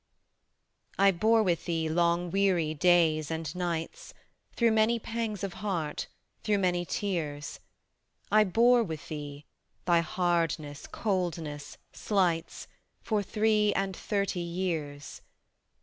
I bore with thee long weary days and nights, Through many pangs of heart, through many tears; I bore with thee, thy hardness, coldness, slights, For three and thirty years.